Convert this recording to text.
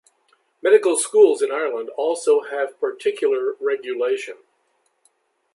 Medical schools in Ireland also have particular regulation.